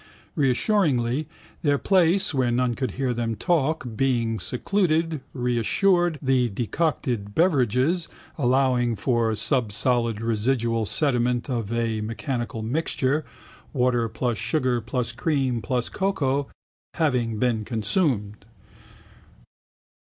Reassuringly, their place, where none could hear them talk, being secluded, reassured, the decocted beverages, allowing for subsolid residual sediment of a mechanical mixture, water plus sugar plus cream plus cocoa, having been consumed.